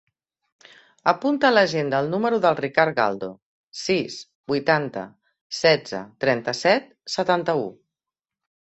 Apunta a l'agenda el número del Ricard Galdo: sis, vuitanta, setze, trenta-set, setanta-u.